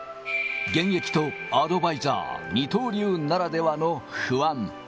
現役とアドバイザー、二刀流ならではの不安。